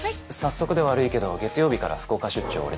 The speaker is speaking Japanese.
早速で悪いけど月曜日から福岡出張